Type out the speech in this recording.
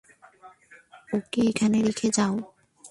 ওকে এখানে রেখে যাও।